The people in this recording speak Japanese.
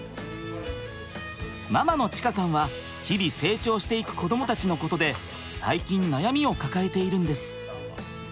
ママの知香さんは日々成長していく子どもたちのことで最近悩みを抱えているんです。